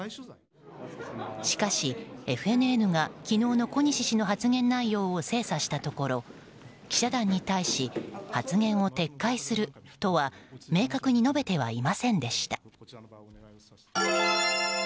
しかし、ＦＮＮが昨日の小西氏の発言内容を精査したところ、記者団に対し発言を撤回するとは明確に述べてはいませんでした。